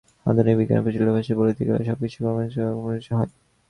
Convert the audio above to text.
আধুনিক বিজ্ঞানের প্রচলিত ভাষায় বলিতে গেলে সবকিছুই ক্রমসঙ্কুচিত ও ক্রমবিকশিত হয়।